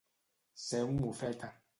Ser un mofeta.